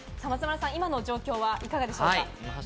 今の状況はいかがでしょうか？